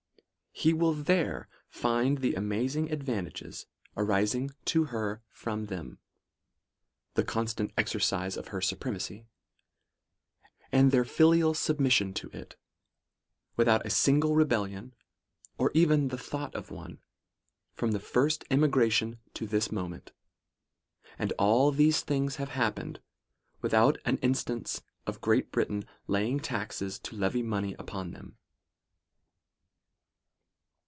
He will there find the amazing advantages arising to her from them — the constant exercise of her supremacy — and their filial submission to it, without a single rebellion, or even the thought of one, from their first emigration to this moment — and all these things have happened, without one instance of lvi NOTES. Great Britain's laying taxes to levy money upon them.